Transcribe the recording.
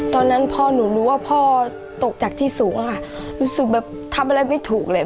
ตอนนั้นพ่อหนูรู้ว่าพ่อตกจากที่สูงอะค่ะรู้สึกแบบทำอะไรไม่ถูกเลย